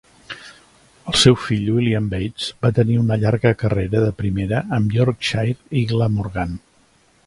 El seu fill William Bates va tenir una llarga carrera de primera amb Yorkshire i Glamorgan.